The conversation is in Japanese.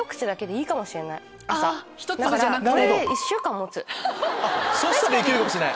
これは。そしたらいけるかもしれない。